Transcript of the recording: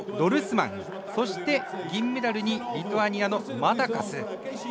そして銀メダルにリトアニアのマタカス。